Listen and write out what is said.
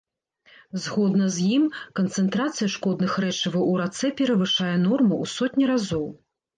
Згодна з ім, канцэнтрацыя шкодных рэчываў у рацэ перавышае норму ў сотні разоў.